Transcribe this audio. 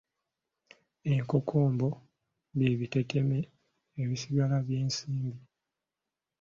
Enkokombo bye biteteme ebisigala byesiimbye.